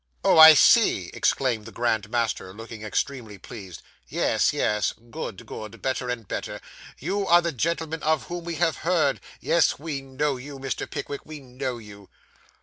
'Oh, I see,' exclaimed the Grand Master, looking extremely pleased; 'yes, yes good, good better and better. You are the gentleman of whom we have heard. Yes; we know you, Mr. Pickwick; we know you.